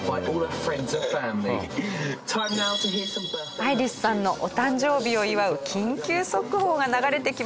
アイリスさんのお誕生日を祝う緊急速報が流れてきました。